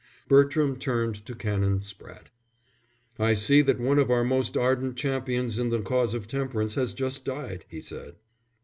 Bertram turned to Canon Spratte. "I see that one of our most ardent champions in the cause of temperance has just died," he said.